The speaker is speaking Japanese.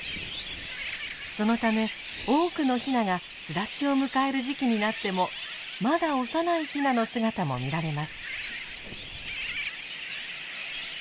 そのため多くのヒナが巣立ちを迎える時期になってもまだ幼いヒナの姿も見られます。